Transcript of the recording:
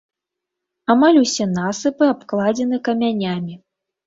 Амаль усе насыпы абкладзены камянямі.